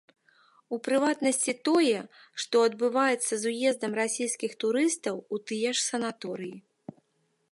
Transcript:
У прыватнасці тое, што адбываецца з уездам расійскіх турыстаў у тыя ж санаторыі.